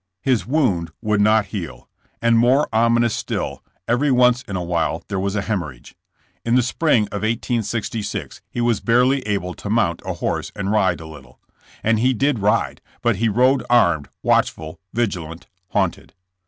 His wound would not heal, and more ominous still AFTER THE WAR. 71 every once in a while there was a hemorrhage. In the spring of 1866 he was barely able to mount a horse and ride a little. And he did ride, but he rode armed, watchful, vigilant, haunted.